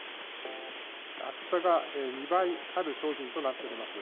厚さが２倍ある商品となっております。